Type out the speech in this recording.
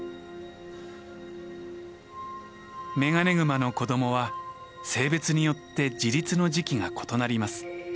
メガネグマの子どもは性別によって自立の時期が異なります。